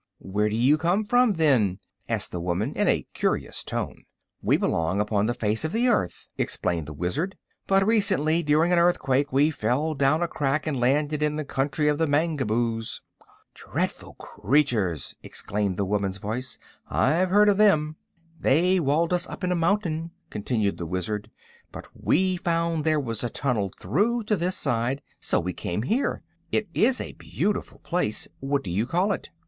"Where do you come from, then?" asked the woman, in a curious tone. "We belong upon the face of the earth," explained the Wizard, "but recently, during an earthquake, we fell down a crack and landed in the Country of the Mangaboos." "Dreadful creatures!" exclaimed the woman's voice. "I've heard of them." "They walled us up in a mountain," continued the Wizard; "but we found there was a tunnel through to this side, so we came here. It is a beautiful place. What do you call it?"